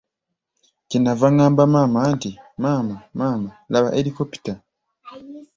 Kye nava ngamba maama nti, maama, maama, laba helikopita.